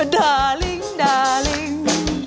ดาร์ลิง